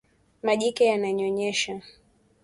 majike yanayonyonyesha